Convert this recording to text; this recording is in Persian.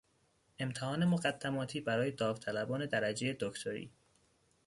امتحان مقدماتی برای داوطلبان درجهی دکتری